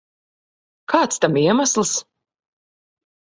Kāds tam iemesls?